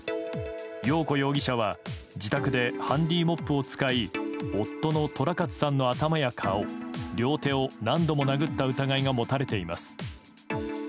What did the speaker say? よう子容疑者は自宅でハンディーモップを使い夫の寅勝さんの頭や顔両手を何度も殴った疑いが持たれています。